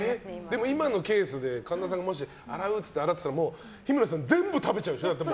でも今のケースで神田さんがもし洗ってたら日村さん全部食べちゃうでしょ？